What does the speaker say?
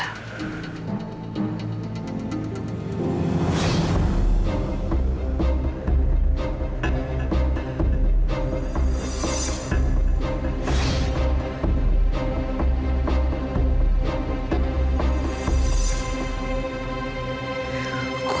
sampai ketemu di surga